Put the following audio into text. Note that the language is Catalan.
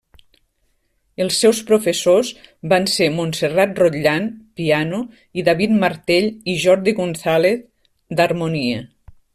Els seus professors van ser Montserrat Rotllant, piano, i David Martell i Jordi González d'harmonia.